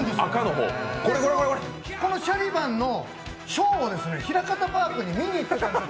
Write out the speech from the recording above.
この「シャリバン」のショーをひらかたパークに見に行ってたんですよ